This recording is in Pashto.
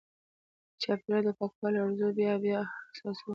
د چاپېریال د پاکوالي ارزو بیا بیا احساسوو.